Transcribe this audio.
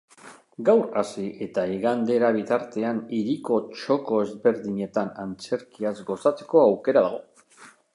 Gaur hasi eta igandera bitartean, hiriko txoko ezberdinetan antzerkiaz gozatzeko aukera dago.